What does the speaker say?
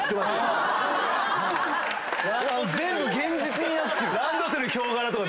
全部現実になってる。